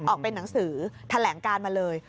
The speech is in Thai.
เป็นหนังสือแถลงการมาเลย